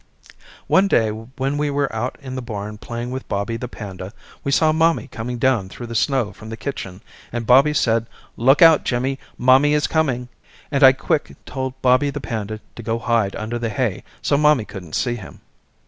One day when we were out in the barn playing with Bobby the panda we saw mommy coming down through the snow from the kitchen and Bobby said look out Jimmy mommy is coming and I quick told Bobby the panda to go hide under the hay so mommy couldn't see him.